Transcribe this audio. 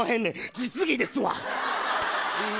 実技ですわ。